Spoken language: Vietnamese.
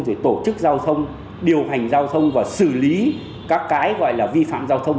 rồi tổ chức giao thông điều hành giao thông và xử lý các cái gọi là vi phạm giao thông